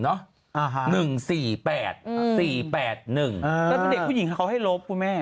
แล้วเด็กผู้หญิงเขาให้ลบคุณแม่